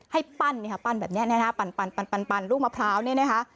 ให้ปั้นแบบนี้นะคะปั่นลูกมะพร้าวเนี่ยนะคะ